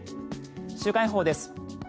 週間予報です。